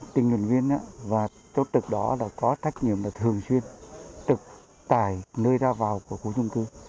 tình nguyện viên và chốt trực đó có thách nhiệm là thường xuyên trực tải nơi ra vào của khu trung cư